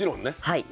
はい。